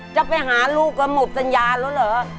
จะไปหาลูกก็หมดสัญญาแล้วเหรอ